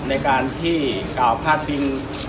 ในการที่กล่าวภาพดิน